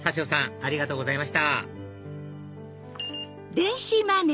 ありがとうございます。